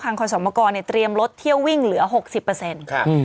ทางคอสมกรนี่เตรียมรถเที่ยววิ่งเหลือ๖๐เปอร์เซ็นต์